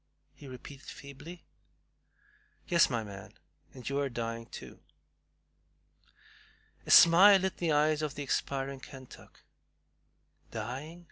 he repeated feebly. "Yes, my man, and you are dying too." A smile lit the eyes of the expiring Kentuck. "Dying!"